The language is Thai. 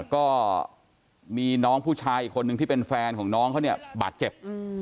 ก็มีน้องผู้ชายอีกคนนึงที่เป็นแฟนของน้องเขาเนี่ยบาดเจ็บ